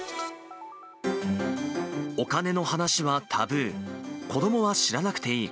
お金の話はタブー、子どもは知らなくていい。